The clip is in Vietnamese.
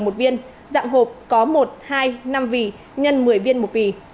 một viên dạng hộp có một hai năm vỉ nhân một mươi viên một vỉ